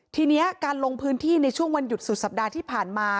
ทีนี้การลงพื้นที่ในช่วงวันหยุดสุดสัปดาห์ที่ผ่านมา